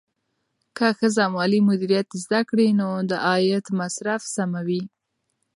که ښځه مالي مدیریت زده کړي، نو د عاید مصرف سموي.